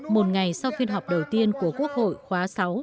một ngày sau phiên họp đầu tiên của quốc hội khóa sáu